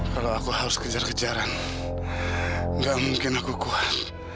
kalau aku harus kejar kejaran nggak mungkin aku kuat